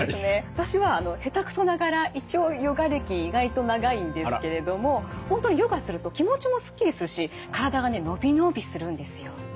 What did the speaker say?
私は下手くそながら一応ヨガ歴意外と長いんですけれども本当にヨガすると気持ちもすっきりするし体がね伸び伸びするんですよ。